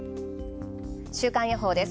週間予報です。